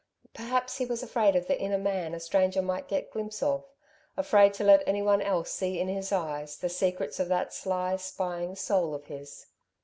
Perhaps he was afraid of the inner man a stranger might get glimpse of, afraid to let any one else see in his eyes the secrets of that sly, spying soul of his.